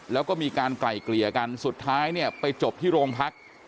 แล้วก็มีการไกล่เกลี่ยกันสุดท้ายเนี่ยไปจบที่โรงพัก